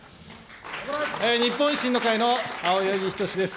日本維新の会の青柳仁士です。